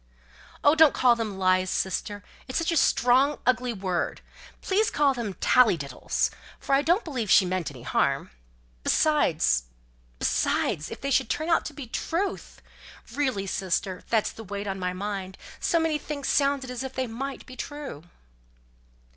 "Oh, don't call them lies, sister; it's such a strong, ugly word. Please call them tallydiddles, for I don't believe she meant any harm. Besides besides if they should turn out to be truth? Really, sister, that's the weight on my mind; so many things sounded as if they might be true."